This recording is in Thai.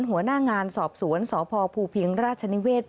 หัวหน้างานสอบสวนสพภูพิงราชนิเวศ